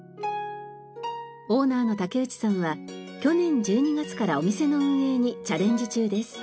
オーナーの竹内さんは去年１２月からお店の運営にチャレンジ中です。